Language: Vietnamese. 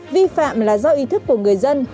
vi phạm là do ý thức của người dân